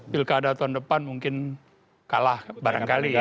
pilkada tahun depan mungkin kalah barangkali ya